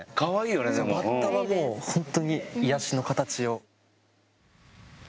バッタはもう本当に癒やしの形を。